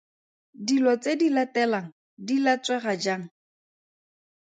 Dilo tse di latelang di latswega jang?